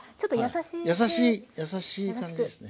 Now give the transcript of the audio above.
優しい優しい感じですね。